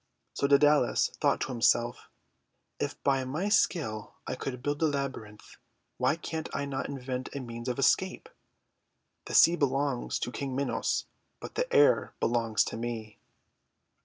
So Daedalus thought to himself :— ;<If by my skill I could build the Labyrinth, why can I not invent a means of escape? The sea belongs to King Minos ! But the air belongs tome!"